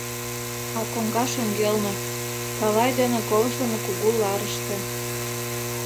А коҥга шеҥгелне, калай дене ковыжлымо кугу ларыште.